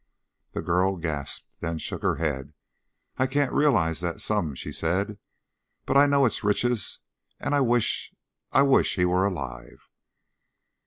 The girl gasped, then shook her head. "I can't realize that sum," she said. "But I know it's riches, and I wish I wish he were alive."